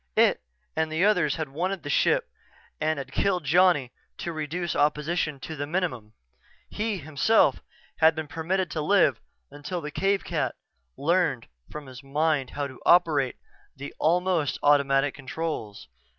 It and the others had wanted the ship and had killed Johnny to reduce opposition to the minimum. He, himself, had been permitted to live until the cave cat learned from his mind how to operate the almost automatic controls.